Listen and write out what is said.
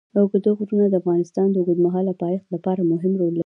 اوږده غرونه د افغانستان د اوږدمهاله پایښت لپاره مهم رول لري.